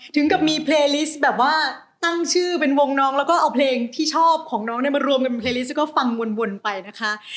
ถึงกับมีเพลลิสแบบว่าตั้งชื่อเป็นวงน้องแล้วก็เอาเพลงที่ชอบของน้องเนี่ยมารวมกันเป็นเลิสก็ฟังวนไปนะคะ